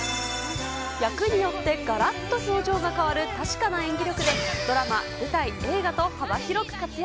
役によってがらっと表情が変わる確かな演技力で、ドラマ、舞台、映画と幅広く活躍。